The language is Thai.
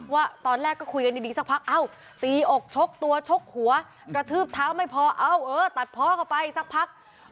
ว่าตอนแรกก็คุยกันดีสักพักเอ้าตีอกชกตัวชกหัวกระทืบเท้าไม่พอเอ้าเออตัดพ่อเข้าไปสักพัก